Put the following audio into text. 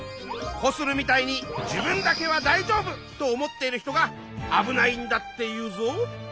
コスルみたいに自分だけは大丈夫と思ってる人があぶないんだっていうぞ。